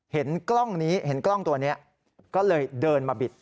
เห็นกล้องนี้เห็นกล้องตัวนี้ก็เลยเดินมาบิด